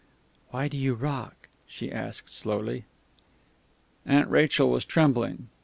"Why do you rock?" she asked slowly. Aunt Rachel was trembling.